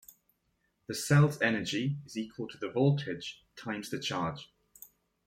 The cell's energy is equal to the voltage times the charge.